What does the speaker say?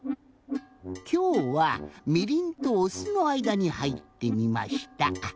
きょうはみりんとおすのあいだにはいってみました。